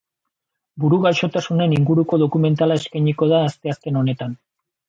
Buru gaixotasunen inguruko dokumentala eskainiko da asteazken honetan.